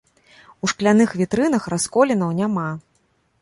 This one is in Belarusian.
У шкляных вітрынах расколінаў няма.